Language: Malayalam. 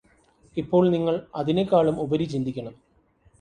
ഇപ്പോൾ നിങ്ങള് അതിനേക്കാളും ഉപരി ചിന്തിക്കണം